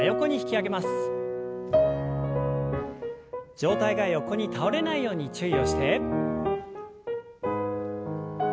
上体が横に倒れないように注意をして。